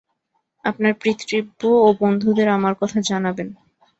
আপনার পিতৃব্য ও বন্ধুদের আমার কথা জানাবেন।